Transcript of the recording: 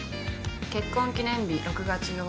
結婚記念日６月８日。